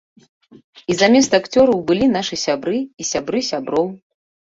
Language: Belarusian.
І замест акцёраў былі нашы сябры і сябры сяброў.